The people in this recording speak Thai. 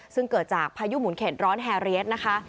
ซึ่งเกิดจากพายุหมุนเข็ดร้อนแฮเรียสนะคะ